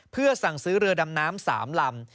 เพื่อสั่งซื้อเรือดำน้ำ๓ลำ